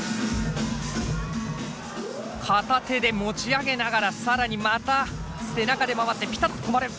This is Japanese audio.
片手で持ち上げながら更にまた背中で回ってピタッと止まる。